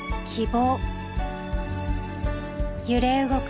揺れ動く